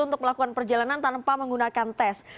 untuk melakukan perjalanan tanpa menggunakan tes